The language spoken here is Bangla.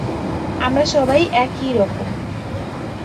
আমরা সবাই একইরকম।